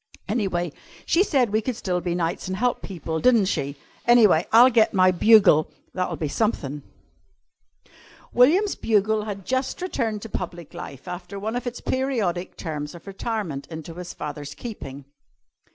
Anyway she said we could still be knights an' help people, di'n't she? Anyway, I'll get my bugle. That'll be something." William's bugle had just returned to public life after one of its periodic terms of retirement into his father's keeping.